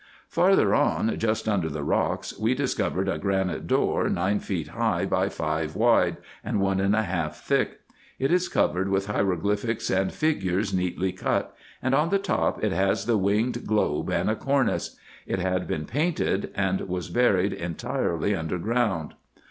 Farther on, just under the rocks, we discovered a granite door nine feet high by five wide, and one and a half thick. It is covered with hie roglyphics and figures neatly cut, and on the top it has the winged <dobe and a cornice. It had been painted, and was buried entirely under ground.